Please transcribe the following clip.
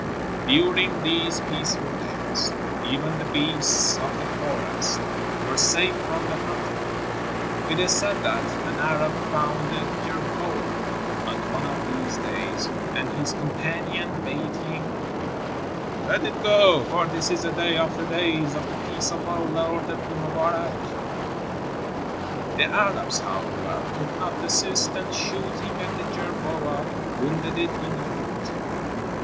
During these peaceful days, even the beasts of the forest were safe from the hunter. It is said that an Arab found a jerboa on one of these days, and his com panions bade him, ''Let it go, for this is a day of the days of the peace of our Lord Ibn Mubarak." The Arabs, however, could not desist, and shooting at the jerboa, wounded it in the foot.